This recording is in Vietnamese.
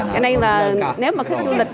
cho nên là nếu mà khách du lịch